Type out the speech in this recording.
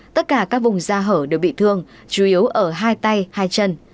tất cả các vùng da hở đều bị thương chủ yếu ở hai tay hai chân